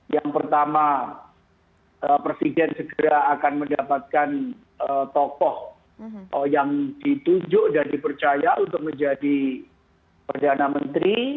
yang pertama presiden segera akan mendapatkan tokoh yang ditunjuk dan dipercaya untuk menjadi perdana menteri